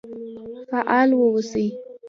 فعال و اوسئ